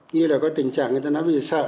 như là có tình trạng người ta nói bây giờ sợ